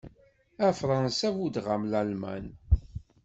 A Fransa buddeɣ-am Lalman.